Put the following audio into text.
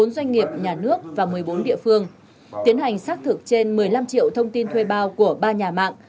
bốn doanh nghiệp nhà nước và một mươi bốn địa phương tiến hành xác thực trên một mươi năm triệu thông tin thuê bao của ba nhà mạng